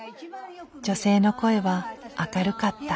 女性の声は明るかった。